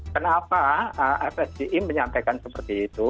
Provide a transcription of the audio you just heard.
kenapa fsgi menyampaikan seperti itu